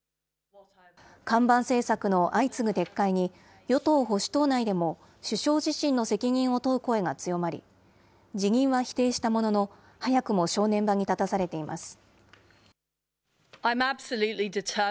看板政策の相次ぐ撤回に、与党・保守党内でも、首相自身の責任を問う声が強まり、辞任は否定したものの、早くも正念場に立たされています。